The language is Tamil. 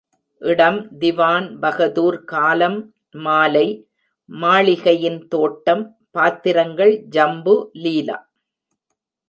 இடம் திவான் பகதூர் காலம் மாலை மாளிகையின் தோட்டம் பாத்திரங்கள் ஜம்பு, லீலா.